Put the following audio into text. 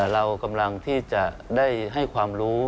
เรากำลังที่จะได้ให้ความรู้